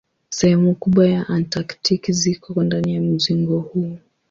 Sehemu kubwa ya Antaktiki ziko ndani ya mzingo huu.